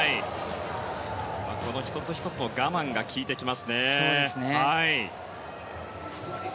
この１つ１つの我慢が効いてきますね。